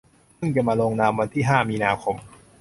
พึ่งจะมาลงนามวันที่ ห้า มีนาคม